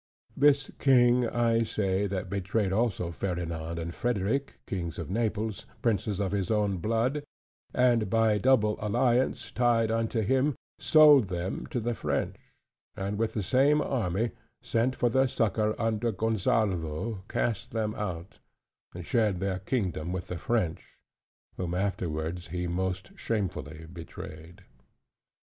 This King, I say, that betrayed also Ferdinand and Frederick, Kings of Naples, princes of his own blood, and by double alliance tied unto him; sold them to the French: and with the same army, sent for their succor under Gonsalvo, cast them out; and shared their kingdom with the French, whom afterwards he most shamefully betrayed.